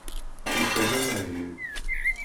Yufa-am amahil.